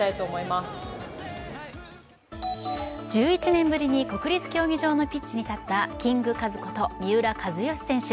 １１年ぶりに国立競技場のピッチに立ったキングカズこと三浦知良選手。